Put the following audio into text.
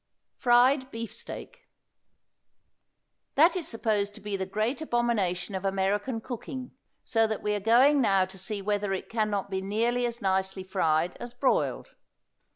FRIED BEEFSTEAK. That is supposed to be the great abomination of American cooking, so that we are going now to see whether it can not be nearly as nicely fried as broiled.